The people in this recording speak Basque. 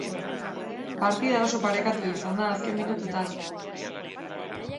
Partida oso parekatua izan da azken minutuetan.